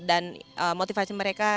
dan motivasi mereka